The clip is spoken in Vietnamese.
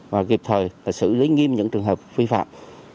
và kịp thời xử lý nghiêm những trường hợp vi phạm